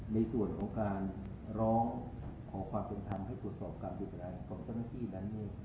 ในส่วนของการร้องขอความเป็นธรรมให้ตรวจสอบการดูแลของเจ้าหน้าที่นั้น